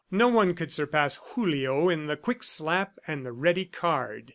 No one could surpass Julio in the quick slap and the ready card.